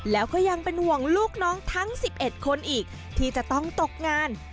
แล้วก็ยังเป็นห่วงลูกน้องทั้ง๑๑คนอีกที่จะต้องตกงาน